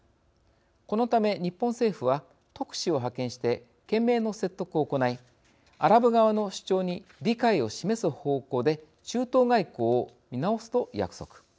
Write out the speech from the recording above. このため、日本政府は特使を派遣して懸命の説得を行いアラブ側の主張に理解を示す方向で中東外交を見直すと約束。